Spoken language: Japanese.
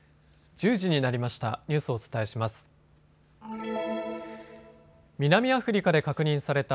１０時になりました。